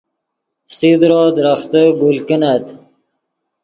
فسیدرو درختے گل کینت